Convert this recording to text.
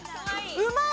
うまい！